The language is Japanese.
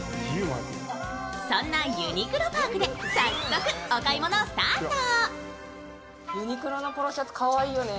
そんなユニクロＰＡＲＫで早速お買い物スタート。